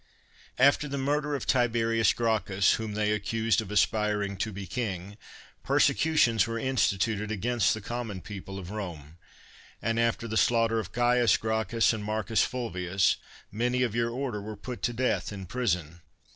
After the murder of Tiberius Gracchus, whom they accused of aspiring to be king, persecutions were instituted against the common people of Rome ; and after the slaughter of Caius Gracchus and Marcus Fulvius, many of your order were put to death in prison.